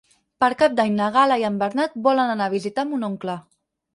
Per Cap d'Any na Gal·la i en Bernat volen anar a visitar mon oncle.